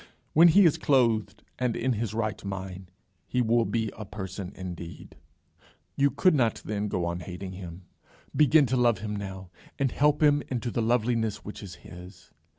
When he is clothed and in his right mind, he will be a person indeed. You could not then go on hating him. Begin to love him now, and help him into the loveliness which is his.